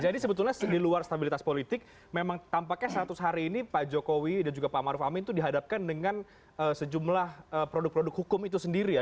jadi sebetulnya di luar stabilitas politik memang tampaknya seratus hari ini pak jokowi dan juga pak amaruf amin tuh dihadapkan dengan sejumlah produk produk hukum itu sendiri ya